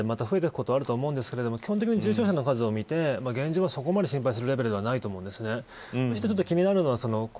コロナは波なので増えていくことはあると思うんですけど重症者の数を見て現状はそこまで心配するレベルではないと思います。